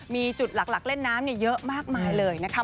มีจุดหลักเล่นน้ำเยอะมากมายเลยนะคะ